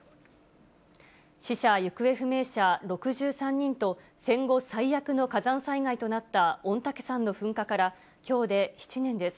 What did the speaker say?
死者・行方不明者６３人と、戦後最悪の火山災害となった御嶽山の噴火から、きょうで７年です。